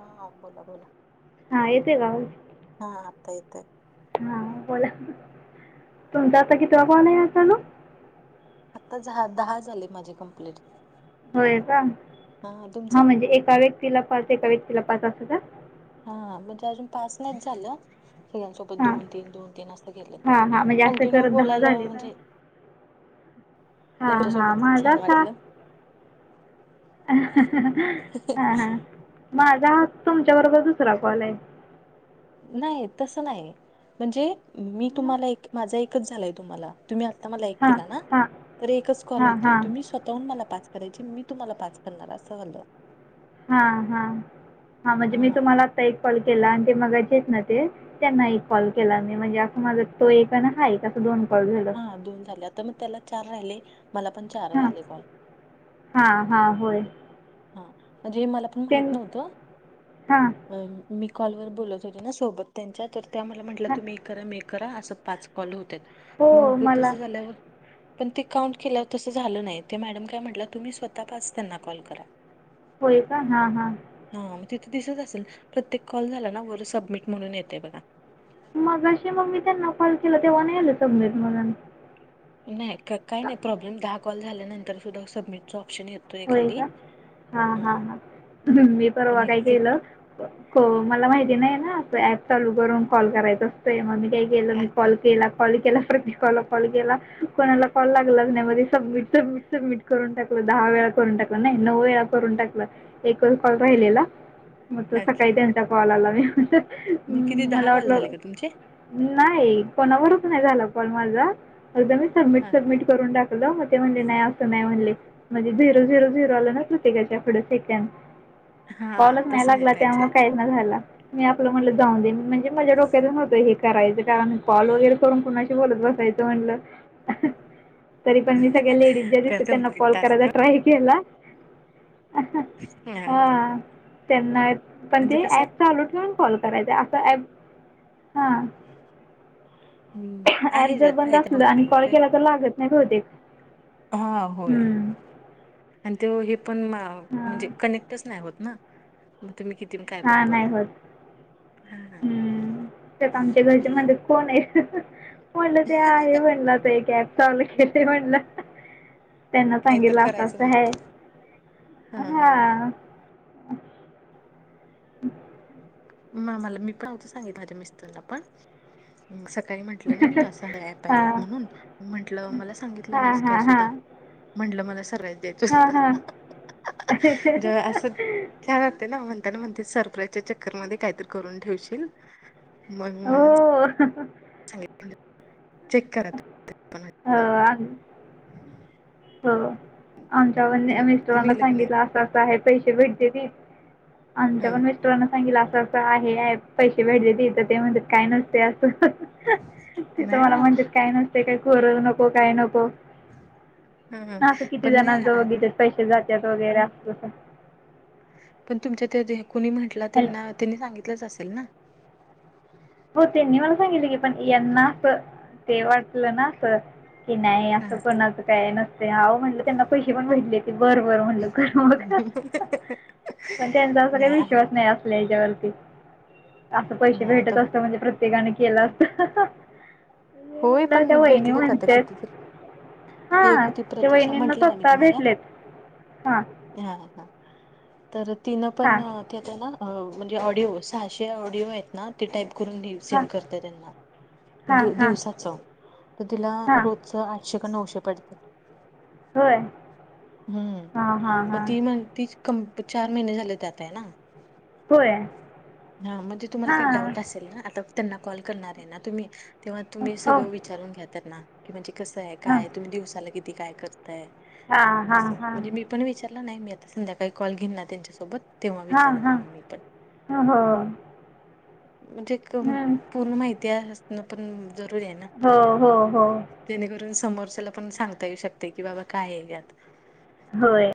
हा बोला बोला. हा येेते का? आवाज. हा आता येतोय. हा बोला तुमचा आता कितीवा? कॉल आहे असा गं. आता दहा झाले माझे कंप्लीट. होय का? हा म्हणजे एका व्यक्तीला पाच, एका व्यक्तीला पाच, असा का? हा म्हणजे अजून पास नाहीच झालं. सगळ्यांसोबत हां दोन, तीन, तीन, असं केले हां हां म्हणजे असं कंटिन्यू करत दहा बोलायला झाले का म्हणजे हां हां माझ्यासोबतच माझा छान आता वाटलं हा माझा हा तुमच्या बरोबर दुसरा कॉल आहे. नाही तसं नाही म्हणजे मी तुम्हाला एक माझा एकच झालाय तुम्हाला. तुम्ही आता मला एक हां केला ना हां तर एकच कॉल हां होतोय हां तुम्ही स्वतःहून मला पाच करायची मी तुम्हाला पाच करणार असं झालं. हां हां हां म्हणजे मी हा तुम्हाला आता एक कॉल केला आणि ते मगाचेे आहेत ना ते त्यांना एक कॉल केला मी, म्हणजे असं माझ तो एक आणि हा एक असं दोन कॉल झालं. हा दोन झाले, आता मग त्याला चार राहिले, मला पण चार हां राहिले कॉल. हां हां होय. हां, म्हणजे हे मला पण ते माहित नव्हतं हां मी कॉलवर बोलत होते ना सोबत त्यांच्या तर त्या मला म्हटल्या हां तुम्ही एक करा मी एक करा असं पाच कॉल होतेत, हो मग मला तस झाल्यावर पण ते काउंट केल्यावर तसं झालं नाही, त्या मॅडम काय म्हटल्या तुम्ही स्वतः पाच त्यांना कॉल करा. होय का? हां हां. हा मग तिथे दिसत असेल प्रत्येक कॉल झाला ना वर सबमिट म्हणून येते बघा. मगाशी मग मी त्यांना कॉल केला तेव्हा नाही आल सबमिट म्हणून. नाही का काही नाही प्रॉब्लेम दहा कॉल झाल्यानंतर सुद्धा सबमिटचं ऑप्शन येतो. होय का? हा हा हा, मी पण परवा एक काय सेट केलं को मला माहिती नाही ना असे ऍप चालू करून कॉल करायच असतय, मग मी काय केलं मी अच्छा कॉल केला कॉल केला, प्रतेकाला कॉल केला कोणाला कॉल लागलाच नाही मग सबमिट सबमिट सबमिट करून टाकलं दहा वेळा करून टाकला नाही नऊ वेळा करून टाकल, एकच कॉल हा राहिलेला मग तो सकाळी अच्छा त्या चा कॉल आला, मी मग किती म्हटलं दहा मला कॉल वाटलं झाले का तुमचे नाही कोणावरच नाही झाला कॉल माझा फक्त मी सबमिट हा सबमिट करून टाकल, म ते म्हणले नाही अस नाही म्हणले म ते झीरो झीरो आलं ना प्रत्येकाच्या पुढे सेकंद, हा कॉलच नाही तसं लागला पाहिजे त्यामुळे काय झाला मी आपलं म्हणलं जाऊन दे म्हणजे माझ्या डोक्यात नव्हतं हे करायचं, कारण कॉल वगैरे करून कोणाशी बोलत बसायचं म्हणलं तरी पण मी सगळ्या लेडीज ज्या कर दिसत्यात त्यांना कम्प्लीट कॉल करायचा टास्क ट्राय केला हा हा हा. हां त्यांना पण म्हणजे ते कसं ऍप आहे चालू ठेवून कॉल करायचा आसा ऍप हा, हम्म, ऍप आहे जर त्यात बंद फायदा असलं आणि भरपूर कॉल काय केला तर लागल नाही बहुतेक. हा होय, हम्म. आणि ते हे पण म्हणजे हां. कनेक्ट टच नाही होत ना, म तुम्ही किती पण काय पण हां, नाही बोला. होत. हम्म. त्यात आमच्या घरचे म्हणतेत कोण आहे? म्हणलं ते आहे म्हण ते एक ऍप चालू केलय म्हणल. त्यांना काहीतर सांगितलं असं करायचं असं म्हणा हाय, हा. हम्. म मला मी पण [unintelligible] माझ्या मिस्टरला पण सकाळी म्हटलं ना मी असा ऍप आहे एक हां. म्हणून, म्हंटलं मला सांगितलं हां, नाहीस काय हां, सुद्धा. हां. म्हंटलं मला सराईज द्यायच हां, होत, हां. ग असं छान ते ना म्हणताना म्हणते सरप्राईजच्या चक्करमध्ये काहीतरी करून ठेवशील मग मी म्हणून हो. सांगीतलं चेक करा ते हो, आम [unintelligible] हो आमच्या पण तुम्ही तुम्ही मिस्टरांना गेलं का नाही सांगितलं असं असं आहे पैसे भेटत्याती आमच्या हा पण मी मीस्टरांना सांगितल असं असं आहे ऍप पैसे भेट त्याती, ते म्हणतात काय नसते असं. ह्.. तिथ नाही हो मला ना म्हणतेत काही नसते काही कोरो नको काही नको. हं [inaudible] हा असं किती देणार जवळ बी.. पैसे जातेत वगैरे अस तस पण तुमच्या त्या हे कुणी म्हटलं हॅलो त्यांना.. त्यांनी सांगितलंच असेल ना? हो त्यांनी मला सांगितले की पण यांना असं.. ते वाटलं ना असं कि नाही हा असं हा कोणाचं काय नसत आव.. म्हटलं त्यांना पैसे पण भेटले.. बर.. बरं म्हटलं कर मग ह्.. [unintelligible] पण त्यांचा असा काय नाही आहे विश्वास नाही आपल्या ह्याच्यावरती असं पैशे नाही भेटत आता असत म्हणजे प्रत्येकाने केलं ह्.. ह्.. मी होय म्हणलं.. त्या पण वहिणी भेटलेत आता म्हणतेत. किती तर हा.. ती एक होती ते प्रतीक्षा वहिनींना म्हटलं ना मी स्वतः तुम्हाला भेटलेत.. हा हा.. का तर तिने पण हां तिथं ना अ.. म्हणजे ऑडिओ सहाशे ऑडिओ आहेत ना ते टाईप दीव हां सेंड करते त्यांना हां दिव.. हां दिवसाचं.. तर तिला हां रोजच आठशे कानऊशे पडतंय. होय हम्म.. हां हां मग हां ती म्हणतीच चार महिने झाले त्यात आहे ना होय हा, म्हणजे तुम्हाला काही हां डाऊट असेल ना आता त्यांना कॉल करणार आहे ना तुम्ही? तेव्हा तुम्ही हो सगळं विचारून घ्या त्यांना की म्हणजे कसं आहे हां काय तुम्ही दिवसाला किती काय कर हां हां असं, हां म्हणजे मी पण विचारलं नाही मी आता संध्याकाळी कॉल घेन ना त्यांच्यासोबत तेव्हा हां विचारेन मग मी पण हां हो म्हणजे क म्.. हं. पूर्ण माहिती असण पण.. जरूरी आहे ना. हो.. हो.. हो.. जणेकरून समोरच्याला पण सांगता येऊ शकते की बाबा काय आहे यात. होय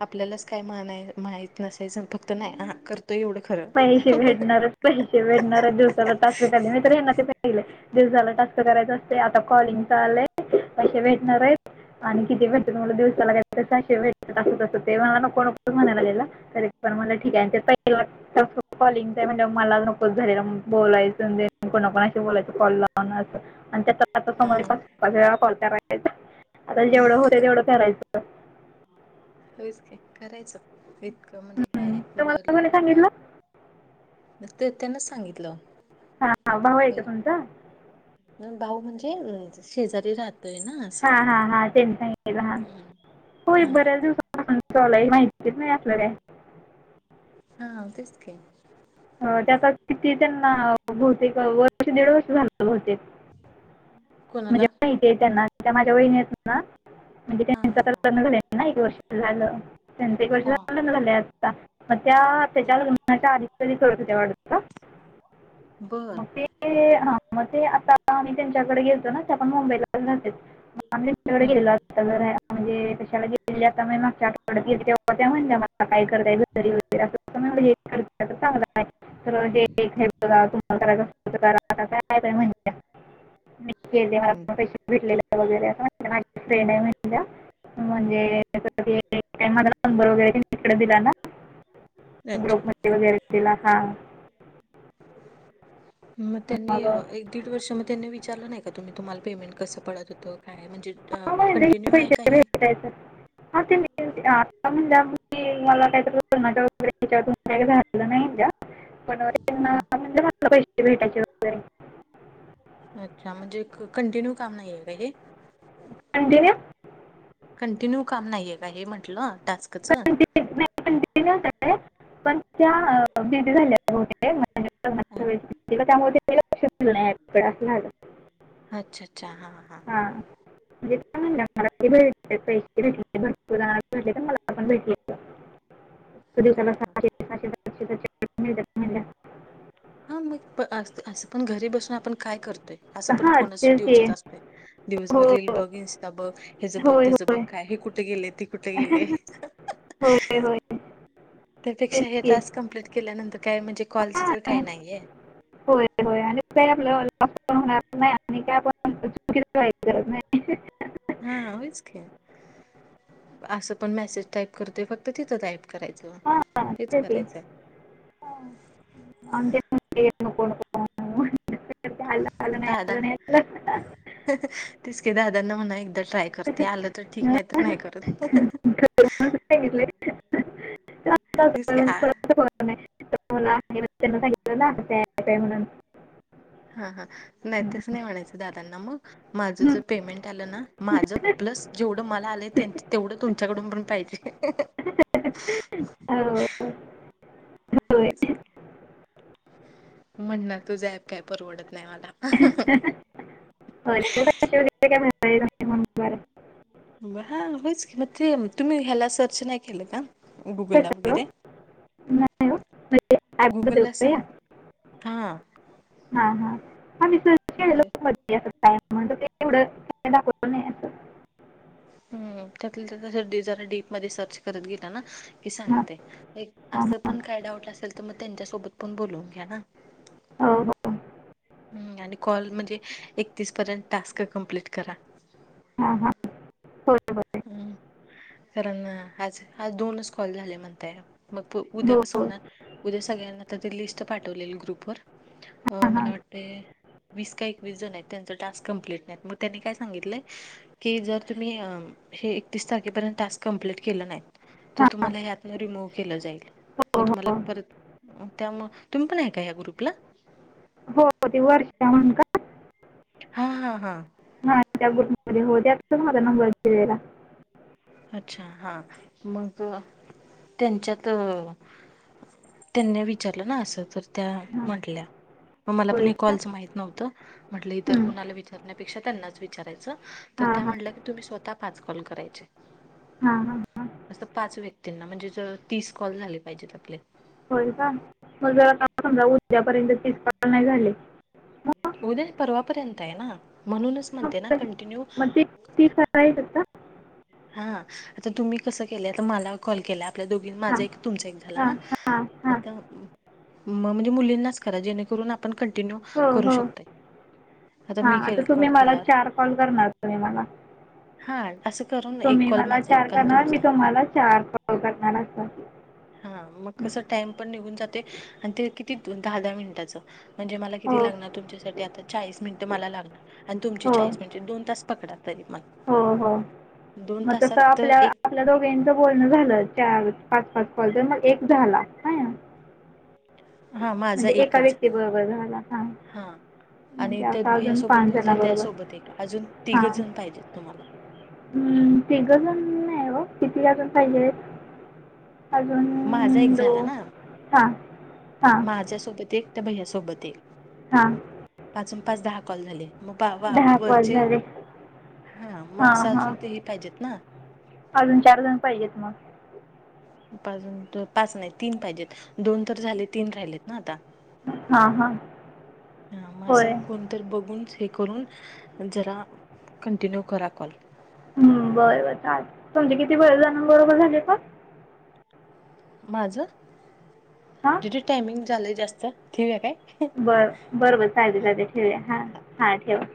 आपल्यालाच काय माय माहीत नसायचं फक्त नाही करतोय एवढं खरं.. पैसे ह्.. भेटणारच पैसे भेटणार दिवसावर तास [inaudible] झाली मी तर यांना ते सांगितले. दिवसाला टक्क करायच असते आता कॉलिंग चा आलंय, पैसे भेटणार आहे. आणि किती भेटते दिवसाला काहीतरी सहाशे भेटते असं तसं ते म्हणाले नको नको म्हणालेला. तरीपण म्हटले ठीक आहे, त्या [unintelligible] कॉलिंगच आहे म्हटल्यावर मलाच नकोच घरी बोलायचं ते नको नको अशी बोलायचे कॉल लावन असं. अ [unintelligible] आता जेवढं होतं तेवढं करायचं. हेच की.. करायचं इतकं म्हणजे काय हम्म. आहे बर तुम्हाला कोणी ल्बा सांगितलं ते.. त्यांनच सांगितलं. हा.. भाऊ आहे का तुमचा? भैयाना भाऊ म्हणजेअ.. शेजारी राहतोय ना. असं. हा.. हा.. हा.. त्यांचं हम्म [inaudible] होईल हा बऱ्याच दिवसांन त्योला माहिती नाही असलं काय. हा.. तेच की अ.. त्याचा किती त्यांना बहुतेक वर्ष दीड वर्ष झालं बहुतेक म्हणजे कोणाला [unintelligible] पहिले त्यांना माझ्या वहिनी येतेत ना [unintelligible] हा हा त्यांचं हा लग्न झालं एक वर्ष झालं, त्यांचा एक वर्ष हा झालं हा लग्न झालंय आता. मग त्या त्याच्या लग्नाच्या आधी घरी करत होत्या वाटतं, बर मग मी ते.. ह.. मग ते आता आम्ही त्यांच्याकडे गेतो ना त्या पण मुंबईलाच राहतेत. आम्ही त्यांच्याकडे हम्म गेलेलात. [unintelligible] म्हणजे कशाला गेली आता मागच्या आठवड्यात गेली तेव्हा त्या म्हणल्या मला [unintelligible] [unintelligible] हम्म [unintelligible] [unintelligible] म्हणजे [inaudible] तिकडं दिला ना. लच्छा [unintelligible] मग त्यांनी मग एक दीड वर्ष मग त्यांनी विचारलं नाही का तुम्ही तुम्हाला पेमेंट कसं पडत होतं? त काय म्हणजे कंटिन्यू आहे का हे? काय झालं. आता म्हणल्यावर म्हणली मला काहीतरी [inaudible] वगैरे हच्यातून काही झालेलं नाही, हा [inaudible] पैसे भेटायचे होते. अच्छा म्हणजे कंटिन्यू काम नाहीे आहे का हे? कंटिन्यू कंटिन्यू काम नाहीये का हे म्हंटलं टास्कचं? कंटिन्यू तिच्या बेबी झालंय गं भवतेक. आ. होयचं की तिझं काम [inaudible] असं झाल. अच्छा अच्छा हा हा हा म्हणजे त्या [inaudible] पैसे भेटले भरपूर जणांना भेटले तर मला पण भेटले. हा दिवसाला हा सहाशे सहाशे सातशे सातशे मिळतात म्हणल्या हा मग अस असं पण घरी बसून आपण काय करतो या असं पण हां फोनच तेच ते डिवचत असतोय. दिवसभर रील हो बग इंस्टा बग हेचं बघ होय तेचं बघ होय काय हे कुठं गेलेय ते कुठं गेलेय. होय, होय. तेच त्यापेक्षा हे की टास्क कमप्लीट केल्यानंतर काय म्हणजे कॉलचं तर हां काही नाहीये. होय होय आणि का आपल्या [inaudible] होणार नाही आणि काय [inaudible] करत नाही. हा व्हयचं की. असं पण मेसेज टाईप करतोय फक्त तिथं टाईप करायचं हां हेच तेच की हां. करायचं आहं. [unintelligible] तर ते आलं आलं नाही दादा. आलं नाही आलं तेच की दादांना म्हणा एकदा ट्राय करते आलं तर ठीक नाही तर नाही करत ह् अ. सांगितलंय. तेच की आ [inaudible] नाही हो ना आहे. [inaudible] सागंना जायचं आहं म्हणून. हा हा नाही तसं नाही म्हणायचं दादांना मग माझ ज हं. पेमेंट आलं ना हो. माझं प्लस जेवढं मला आलं तेवढं तुमच्याकडून पण पाहिजे. ह्अ होय. होय. म्हणार तुझा ॲप काय परवडत नाही मला. [unintelligible] [unintelligible] ब हा होयच की मग ते तुम्ही ह्याला सर्च नाही केलं का गुगल ला कशाला? वगैरे? नाही हो. म्हणजे ॲपबद्दल गुगलला का या? सांग हा हां हां. हां मी सर्च त [unintelligible] एवढं काय दाखवलं नाही असं. हम् त्यातल्या त्यात डी जरा डीप मध्ये सर्च करत गेल ना की हां सांगते. ये हां असं हां. पण काय डाऊट असेल तर मग त्यांच्यासोबत पण बोलुन घ्या ना. हो हो. आणि कॉल म्हणजे एकतीस पर्यंत टास्क कम्प्लीट करा. हां हां. होय होय. हम्म. कारण आज आज दोनच कॉल झाले म्हणताय, मग उद्या हो. कसं होणार? उद्या सगळ्यांना आता ते लिस्ट पाठवलेली ग्रुपवर, अ हां मला हां. वाटतय वीस काय एकवीस जण आहेत त्यांच टास्क कंप्लीट नाही मग त्यांनी काय सांगितलय कि जर तुम्ही हे एकतीस तारखेपर्यंत टास्क कम्प्लीट केलं नाही तर हां. तुम्हाला यातन रिमूव्ह केलं जाईल, मग हो तुम्हाला हो. परत त्यामु तुम्ही पण आहे का ह्या ग्रुपला? हो ती वर्षां म्हणून का? हा हा हा. हां त्या ग्रुप हो त्यातच माझा नंबर [unintelligible] अच्छा हा मग त्यांच्यात त्यांनी विचारलं ना असं तर त्या हां म्हटल्या. मग मला पण होय हे का कॉलचं माहित नव्हतं म्हटलं इतर हं. कुणाला विचारण्यापेक्षा त्यांनाच विचारायचं तर हां त्या हां म्हटल्या की तुम्ही स्वतः पाच कॉल करायचे. हा हा. असं पाच व्यक्तींना म्हणजे ज तीस कॉल झाले पाहिजेत आपले. होय का? मग आता समजा उद्यापर्यंत तीस कॉल नाही झाले मग उद्या नाही परवापर्यंत आहे ना म्हणूनच मग म्हणते ना ते- कंटिन्यू मग तीस सकाळीच [unintelligible] का हा आता तुम्ही कसं केलं आता मला कॉल केला आपल्या दोघी माझा हां एक तुमचा एक झाला हां ना हां हां आता मग म्हणजे मुलींनाच करा जेणेकरून आपण कंटिन्यू करू शकतोय. हा मी के आता तुम्ही कॉट मला केला चार कॉल करणार तुम्ही मला. हा असं करून एक तुम्ही कॉल मला माझा एक चार कॉल करणार, मी तुमचा तुम्हाला चार कॉल करणार अस. हा मग कस टाइम पण निघून जातोय आणि ते किती दहा दहा मिनिटाचं म्हणजे मला हो किती लागणार तुमच्यासाठी आता चाळीस मिनिटं मला लागणार आणि तुमची हो चाळीस म्हणजे दोन तास पकडा तरी पण हो हो मग तस आपल्या एक आपलं दोघेचं बोलणं झालं चार पाच पाच कॉल तर मग एक झाला, हाय ना हा माझा म्हणजे एका एकच व्यक्ती झाला बरोबर झाला हा आणि त्यात भैयासोबत बोलताय त्या सोबत एक का अजून तिघं जण पाहिजेत तुम्हाला. हम्म तिघंजण नाही ओ, किती अजून पाहिजे? अजून माझा एक झाला दोन ना हा हा. माझ्यासोबत एक त्या भैय्यासोबत एक हां. पाचन पाच दहा कॉल झाले मग बा वा दहा कॉल वरचे झाले हा मग हां असं अजून हां तेही पाहिजेत ना. अजून चार जण पाहिजेत मग. अजून पाच नाही तीन पाहिजेत दोन तर झाले तीन राहिलेत ना आता. हां हां हा म होय असं कोण तर बघूनच हे करून जरा कंटिन्यू करा कॉल. हम् बरं बरं चालेल तुमचे किती? वेळे जणां बरोबर झाले कॉल. माझं हां [unintelligible] टायमिंग झालंय जास्त ठेवुया काय? बरं बरं चालते हा चालते ठेवूया हा ठेवा.